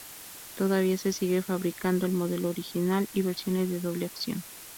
Todavía se sigue fabricando el modelo original y versiones de "doble acción".